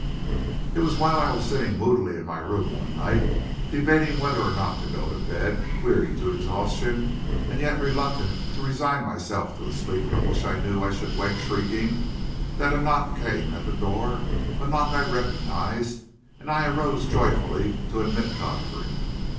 It was while I was sitting moodily in my room one night, debating whether or not to go to bed; weary to exhaustion and yet reluctant to resign myself to a sleep from which I knew I should wake shrieking, that a knock came at the door a knock I recognised; and I arose joyfully to admit Godfrey.